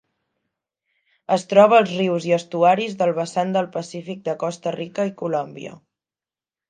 Es troba als rius i estuaris del vessant del Pacífic de Costa Rica i Colòmbia.